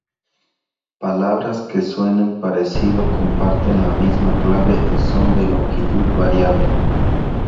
Palabras que suenen parecido comparten la misma clave y son de longitud variable.